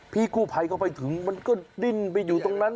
พี่กู้ภัยเข้าไปถึงมันก็ดิ้นไปอยู่ตรงนั้น